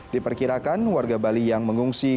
diperkirakan warga bali yang mengungsi